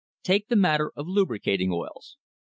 Take the matter of lubricating oils.